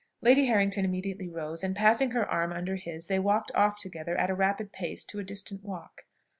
Lady Harrington immediately rose, and passing her arm under his they walked off together at a rapid pace to a distant walk.